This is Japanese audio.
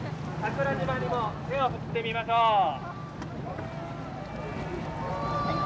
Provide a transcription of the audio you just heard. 桜島にも手を振ってみましょう。